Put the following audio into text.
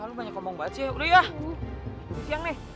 udah siang nih